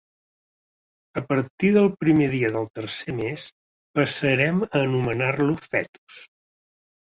A partir del primer dia del tercer mes, passarem a anomenar-lo fetus.